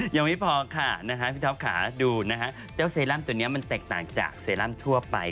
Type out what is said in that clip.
ยังไม่พอค่ะพี่ท็อปค่ะดูนะฮะเจ้าเซรั่มตัวนี้มันแตกต่างจากเซรั่มทั่วไป